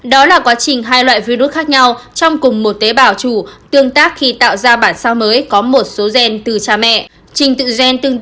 đó là quá trình hai loại virus khác nhau trong cùng một tế bào chủ tương tác khi tạo ra bản sao mới có một số gen từ cha mẹ